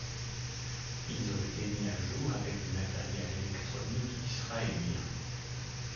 Ils ont été mis à jour avec du matériel électronique israélien.